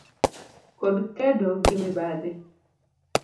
kod kedo gi mibadhi.